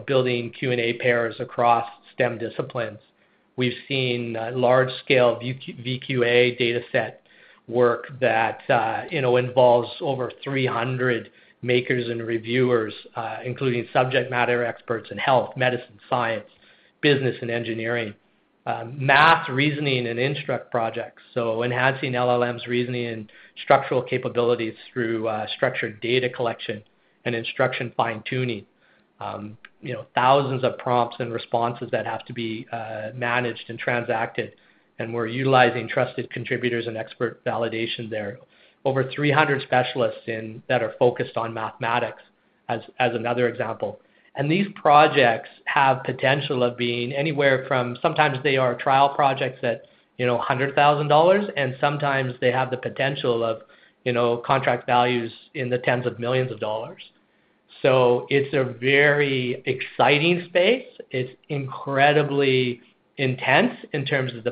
building Q&A pairs across STEM disciplines. We've seen large-scale VQA dataset work that involves over 300 makers and reviewers, including subject matter experts in health, medicine, science, business, and engineering, math, reasoning, and instruct projects. Enhancing LLMs' reasoning and structural capabilities through structured data collection and instruction fine-tuning. Thousands of prompts and responses that have to be managed and transacted. We're utilizing trusted contributors and expert validation there. Over 300 specialists that are focused on mathematics as another example. These projects have potential of being anywhere from sometimes they are trial projects at $100,000, and sometimes they have the potential of contract values in the tens of millions of dollars. It's a very exciting space. It's incredibly intense in terms of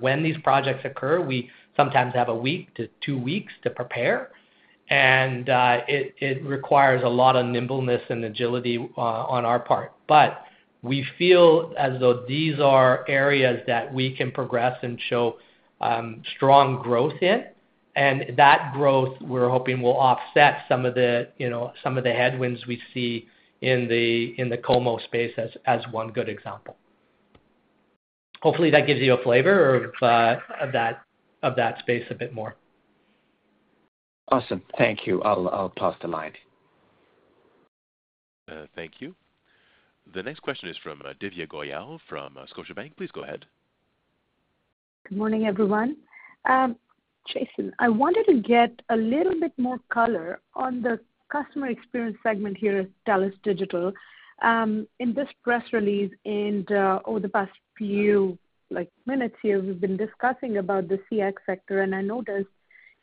when these projects occur. We sometimes have a week to two weeks to prepare, and it requires a lot of nimbleness and agility on our part. We feel as though these are areas that we can progress and show strong growth in. And that growth, we're hoping will offset some of the headwinds we see in the CoMo spaces as one good example. Hopefully, that gives you a flavor of that space a bit more. Awesome. Thank you. I'll pass the line. Thank you. The next question is from Divya Goyal from Scotiabank. Please go ahead. Good morning, everyone. Jason, I wanted to get a little bit more color on the customer experience segment here at TELUS Digital. In this press release and over the past few minutes here, we've been discussing about the CX sector, and I noticed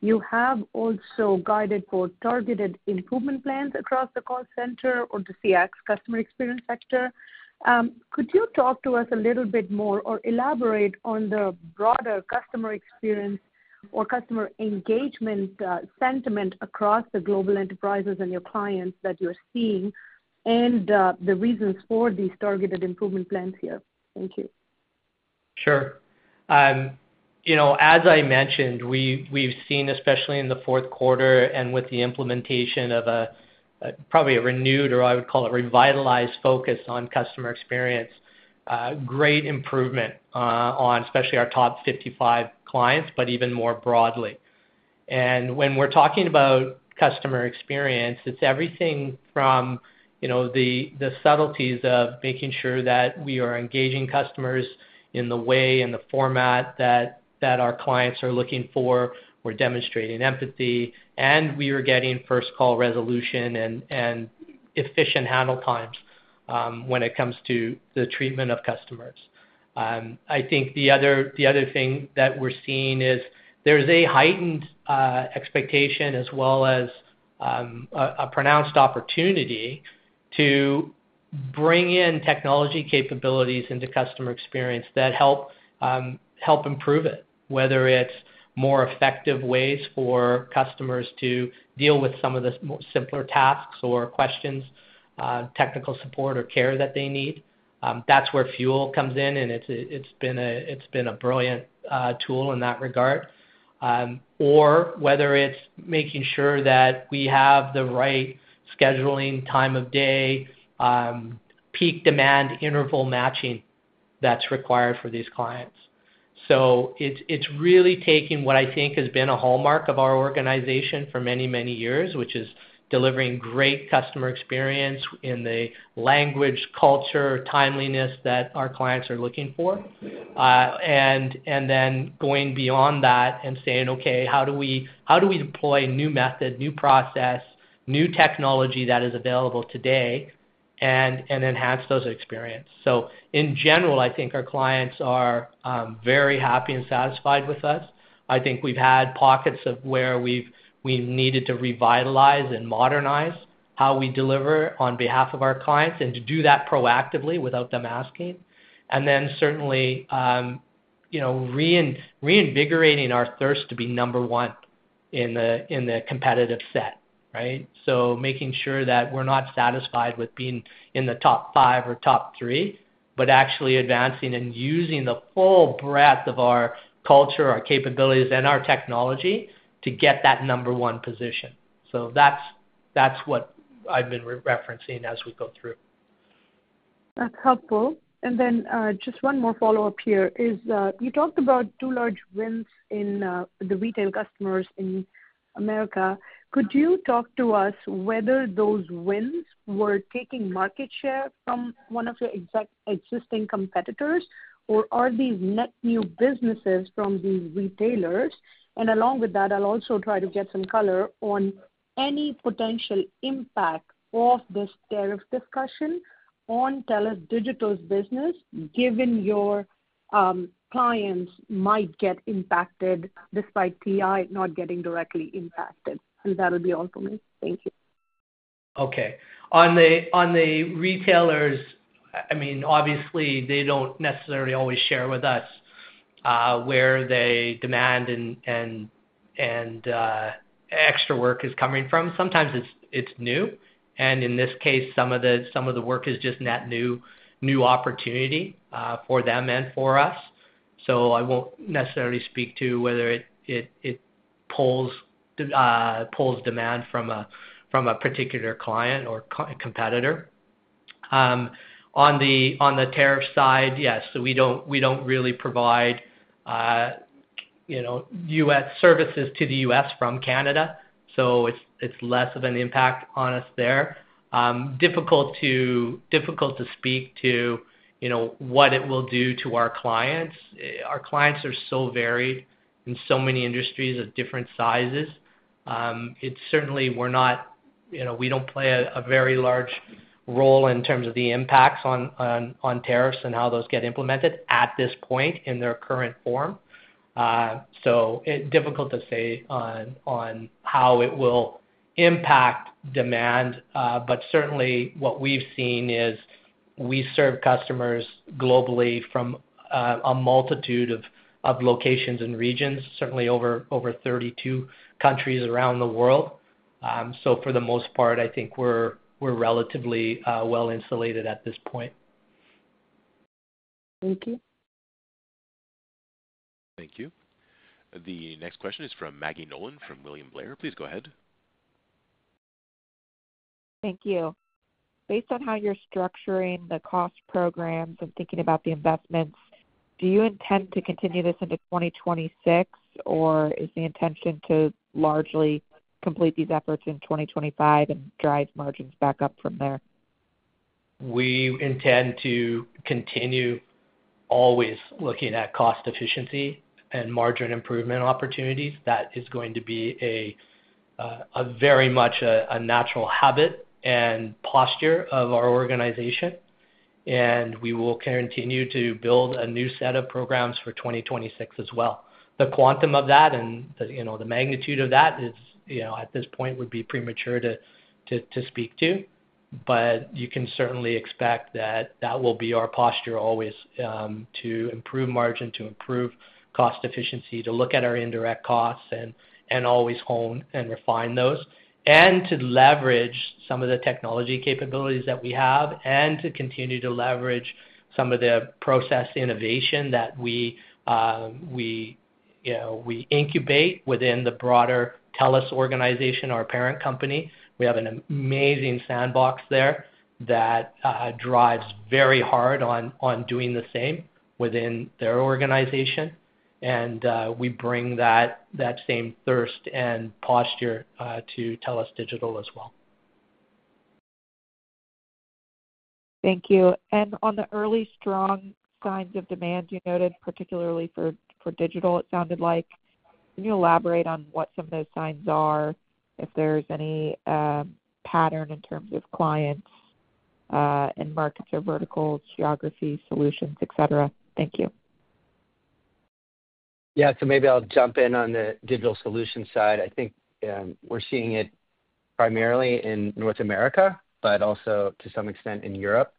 you have also guided for targeted improvement plans across the call center or the CX customer experience sector. Could you talk to us a little bit more or elaborate on the broader customer experience or customer engagement sentiment across the global enterprises and your clients that you're seeing and the reasons for these targeted improvement plans here? Thank you. Sure. As I mentioned, we've seen, especially in the Q4 and with the implementation of probably a renewed or I would call it revitalized focus on customer experience, great improvement on especially our top 55 clients, but even more broadly, and when we're talking about customer experience, it's everything from the subtleties of making sure that we are engaging customers in the way and the format that our clients are looking for. We're demonstrating empathy, and we are getting first call resolution and efficient handle times when it comes to the treatment of customers. I think the other thing that we're seeing is there's a heightened expectation as well as a pronounced opportunity to bring in technology capabilities into customer experience that help improve it, whether it's more effective ways for customers to deal with some of the simpler tasks or questions, technical support or care that they need. That's where Fuel iX comes in, and it's been a brilliant tool in that regard or whether it's making sure that we have the right scheduling, time of day, peak demand interval matching that's required for these clients. So it's really taking what I think has been a hallmark of our organization for many, many years, which is delivering great customer experience in the language, culture, timeliness that our clients are looking for, and then going beyond that and saying, "Okay, how do we deploy a new method, new process, new technology that is available today and enhance those experiences?" So in general, I think our clients are very happy and satisfied with us. I think we've had pockets of where we needed to revitalize and modernize how we deliver on behalf of our clients and to do that proactively without them asking. And then certainly reinvigorating our thirst to be number one in the competitive set, right? So making sure that we're not satisfied with being in the top five or top three, but actually advancing and using the full breadth of our culture, our capabilities, and our technology to get that number one position. So that's what I've been referencing as we go through. That's helpful. And then just one more follow-up here is you talked about two large wins in the retail customers in America. Could you talk to us whether those wins were taking market share from one of your existing competitors, or are these net new businesses from these retailers? And along with that, I'll also try to get some color on any potential impact of this tariff discussion on TELUS Digital's business, given your clients might get impacted despite AI not getting directly impacted. And that'll be all for me. Thank you. Okay. On the retailers, I mean, obviously, they don't necessarily always share with us where the demand and extra work is coming from. Sometimes it's new. And in this case, some of the work is just net new opportunity for them and for us. So I won't necessarily speak to whether it pulls demand from a particular client or competitor. On the tariff side, yes. So we don't really provide US services to the US from Canada. So it's less of an impact on us there. Difficult to speak to what it will do to our clients. Our clients are so varied in so many industries of different sizes. Certainly, we don't play a very large role in terms of the impacts on tariffs and how those get implemented at this point in their current form. So difficult to say on how it will impact demand. But certainly, what we've seen is we serve customers globally from a multitude of locations and regions, certainly over 32 countries around the world. So for the most part, I think we're relatively well-insulated at this point. Thank you. Thank you. The next question is from Maggie Nolan from William Blair. Please go ahead. Thank you. Based on how you're structuring the cost programs and thinking about the investments, do you intend to continue this into 2026, or is the intention to largely complete these efforts in 2025 and drive margins back up from there? We intend to continue always looking at cost efficiency and margin improvement opportunities. That is going to be very much a natural habit and posture of our organization. And we will continue to build a new set of programs for 2026 as well. The quantum of that and the magnitude of that at this point would be premature to speak to. But you can certainly expect that that will be our posture always to improve margin, to improve cost efficiency, to look at our indirect costs and always hone and refine those, and to leverage some of the technology capabilities that we have and to continue to leverage some of the process innovation that we incubate within the broader TELUS organization, our parent company. We have an amazing sandbox there that drives very hard on doing the same within their organization. We bring that same thirst and posture to TELUS Digital as well. Thank you. And on the early strong signs of demand you noted, particularly for digital, it sounded like. Can you elaborate on what some of those signs are, if there's any pattern in terms of clients and markets or verticals, geographies, solutions, etc.? Thank you. Yeah. So maybe I'll jump in on the digital solution side. I think we're seeing it primarily in North America, but also to some extent in Europe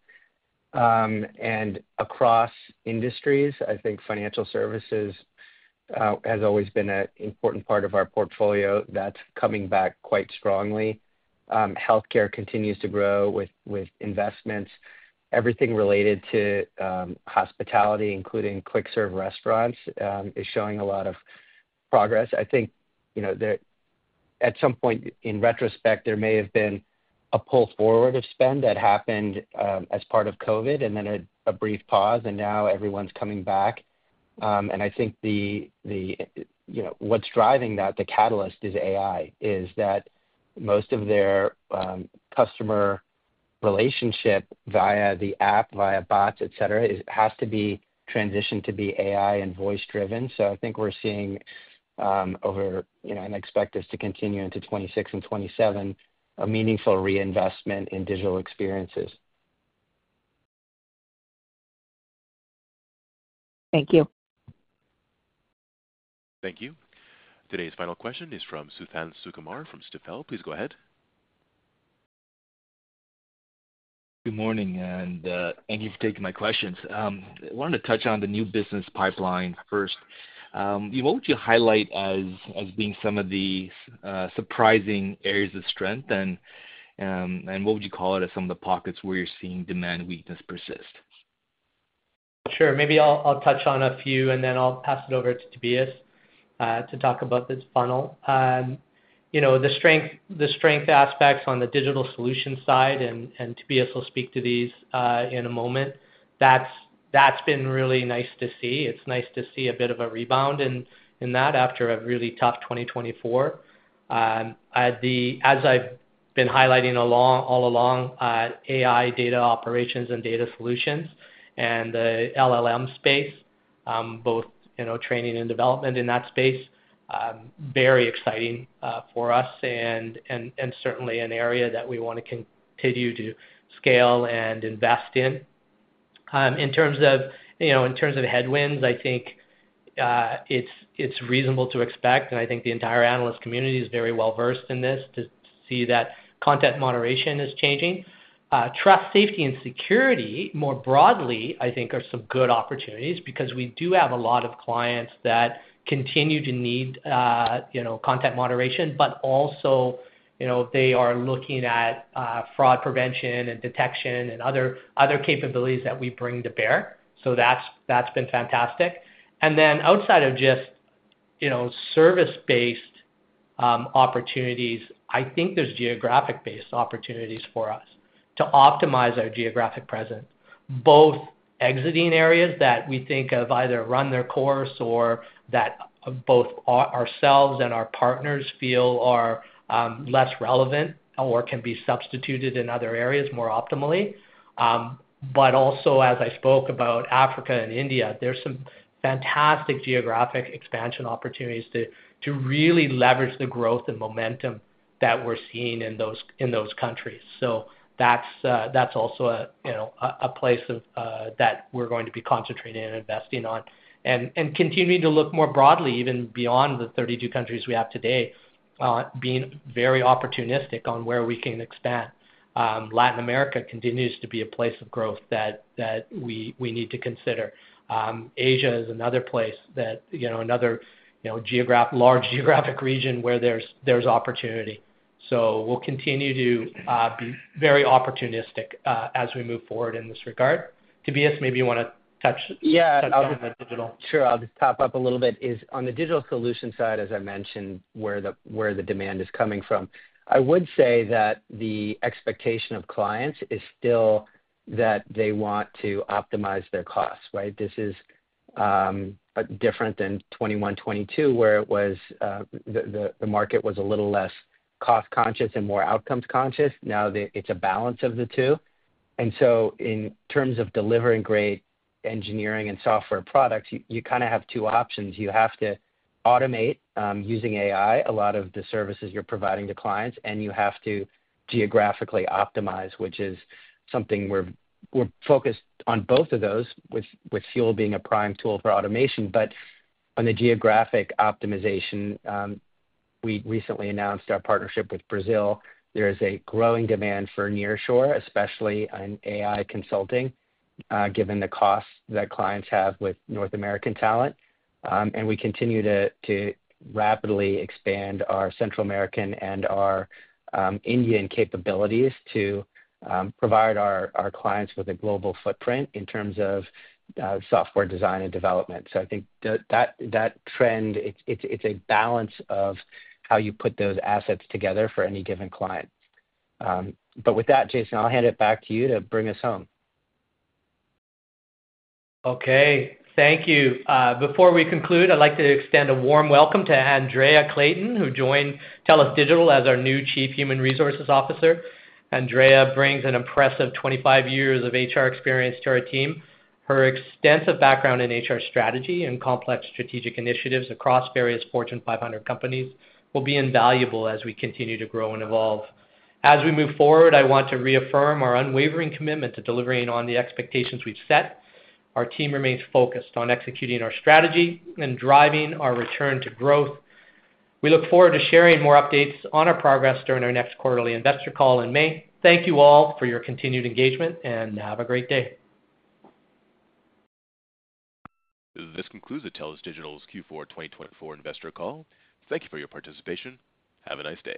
and across industries. I think financial services has always been an important part of our portfolio that's coming back quite strongly. Healthcare continues to grow with investments. Everything related to hospitality, including quick-serve restaurants, is showing a lot of progress. I think at some point in retrospect, there may have been a pull forward of spend that happened as part of COVID and then a brief pause, and now everyone's coming back. And I think what's driving that, the catalyst is AI, is that most of their customer relationship via the app, via bots, etc., has to be transitioned to be AI and voice-driven. So I think we're seeing over and expect us to continue into 2026 and 2027 a meaningful reinvestment in digital experiences. Thank you. Thank you. Today's final question is from Suthan Sukumar from Stifel. Please go ahead. Good morning, and thank you for taking my questions. I wanted to touch on the new business pipeline first. What would you highlight as being some of the surprising areas of strength, and what would you call it as some of the pockets where you're seeing demand weakness persist? Sure. Maybe I'll touch on a few, and then I'll pass it over to Tobias to talk about this funnel. The strength aspects on the digital solution side, and Tobias will speak to these in a moment, that's been really nice to see. It's nice to see a bit of a rebound in that after a really tough 2024. As I've been highlighting all along, AI data operations and data solutions and the LLM space, both training and development in that space, very exciting for us and certainly an area that we want to continue to scale and invest in. In terms of headwinds, I think it's reasonable to expect, and I think the entire analyst community is very well-versed in this to see that content moderation is changing. Trust, safety, and security more broadly, I think, are some good opportunities because we do have a lot of clients that continue to need content moderation, but also they are looking at fraud prevention and detection and other capabilities that we bring to bear. So that's been fantastic. And then outside of just service-based opportunities, I think there's geographic-based opportunities for us to optimize our geographic presence, both exiting areas that we think have either run their course or that both ourselves and our partners feel are less relevant or can be substituted in other areas more optimally. But also, as I spoke about Africa and India, there's some fantastic geographic expansion opportunities to really leverage the growth and momentum that we're seeing in those countries. So that's also a place that we're going to be concentrating and investing on and continuing to look more broadly, even beyond the 32 countries we have today, being very opportunistic on where we can expand. Latin America continues to be a place of growth that we need to consider. Asia is another place, another large geographic region where there's opportunity. So we'll continue to be very opportunistic as we move forward in this regard. Tobias, maybe you want to touch on the digital. Sure. I'll just pop up a little bit. On the digital solution side, as I mentioned, where the demand is coming from, I would say that the expectation of clients is still that they want to optimize their costs, right? This is different than 2021, 2022, where the market was a little less cost-conscious and more outcomes-conscious. Now it's a balance of the two. And so in terms of delivering great engineering and software products, you kind of have two options. You have to automate using AI a lot of the services you're providing to clients, and you have to geographically optimize, which is something we're focused on both of those, with Fuel being a prime tool for automation. But on the geographic optimization, we recently announced our partnership with Brazil. There is a growing demand for nearshore, especially in AI consulting, given the costs that clients have with North American talent, and we continue to rapidly expand our Central American and our Indian capabilities to provide our clients with a global footprint in terms of software design and development, so I think that trend, it's a balance of how you put those assets together for any given client, but with that, Jason, I'll hand it back to you to bring us home. Okay. Thank you. Before we conclude, I'd like to extend a warm welcome to Andrea Clayton, who joined TELUS Digital as our new Chief Human Resources Officer. Andrea brings an impressive 25 years of HR experience to our team. Her extensive background in HR strategy and complex strategic initiatives across various Fortune 500 companies will be invaluable as we continue to grow and evolve. As we move forward, I want to reaffirm our unwavering commitment to delivering on the expectations we've set. Our team remains focused on executing our strategy and driving our return to growth. We look forward to sharing more updates on our progress during our next quarterly investor call in May. Thank you all for your continued engagement, and have a great day. This concludes the TELUS Digital's Q4 2024 Investor Call. Thank you for your participation. Have a nice day.